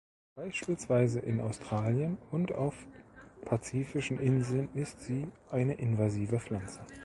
Beispielsweise in Australien und auf pazifischen Inseln ist sie eine invasive Pflanze.